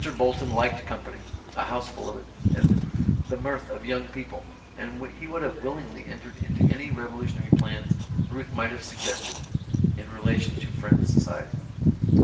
Bolton liked company, a house full of it, and the mirth of young people, and he would have willingly entered into any revolutionary plans Ruth might have suggested in relation to Friends' society.